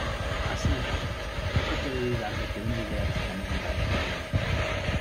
Así, otro puede dudar de que una idea que a mí me parezca evidente.